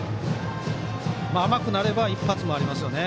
甘くなれば一発もありますよね。